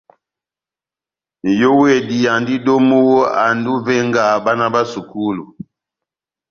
Nʼyówedi andi domu, andi ó ivenga bána bá sukulu.